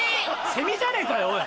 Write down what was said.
セミじゃねえかよおい。